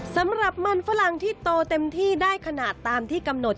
สำหรับมันฝรั่งที่โตเต็มที่ได้ขนาดตามที่กำหนด